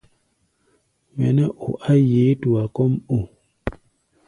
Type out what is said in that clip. Mɛ nɛ́ o á yeé tua kɔ́ʼm o?